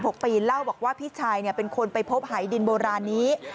เล่าบอกว่าพี่ชายเนี่ยเป็นคนไปพบหายดินโบราณนี้